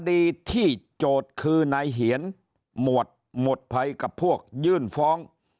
ดีที่โจทย์คือนายเหียนหมวดหมวดภัยกับพวกยื่นฟ้อง